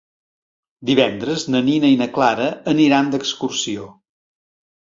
Divendres na Nina i na Clara aniran d'excursió.